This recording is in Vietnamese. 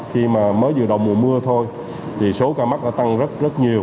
nhưng mà mới vừa đầu mùa mưa thôi thì số ca mắc đã tăng rất rất nhiều